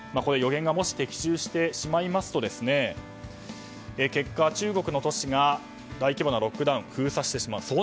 予言がもし的中してしまいますと結果、中国の都市が大規模なロックダウン封鎖してしまう。